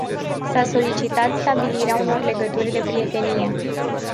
S-a solicitat stabilirea unor legături de prietenie.